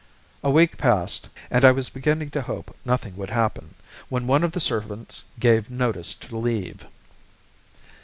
A week passed, and I was beginning to hope nothing would happen, when one of the servants gave notice to leave.